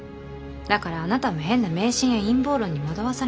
だからあなたも変な迷信や陰謀論に惑わされないで今すぐに。